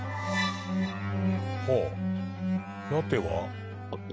はあラテは？